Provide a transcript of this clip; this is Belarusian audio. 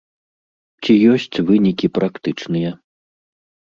Ці ёсць вынікі практычныя?